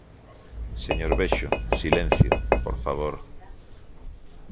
Señor Bexo, silencio, por favor.